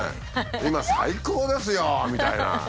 今最高ですよ！みたいな。